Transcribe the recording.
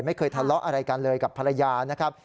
ไม่เคยทะเลาะอะไรกันเลยกับภรรยานะครับ